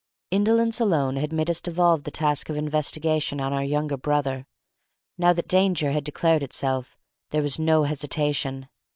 Indolence alone had made us devolve the task of investigation on our younger brother. Now that danger had declared itself, there was no hesitation.